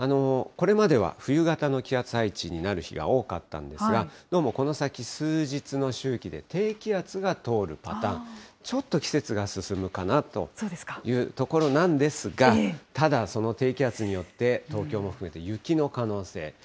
これまでは冬型の気圧配置になる日が多かったんですが、どうもこの先、数日の周期で低気圧が通るパターン、ちょっと季節が進むかなというところなんですが、ただ、その低気圧によって、東京も含めて雪の可能性。